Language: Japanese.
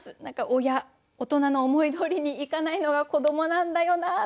親大人の思いどおりにいかないのが子どもなんだよなと。